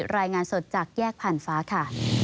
รายงานสดจากแยกผ่านฟ้าค่ะ